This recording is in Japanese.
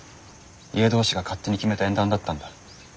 家同士が勝手に決めた縁談だったんだ。